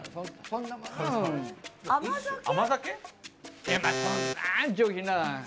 そんな上品な。